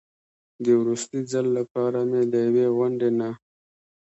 د وروستي ځل لپاره مې له یوې غونډۍ نه.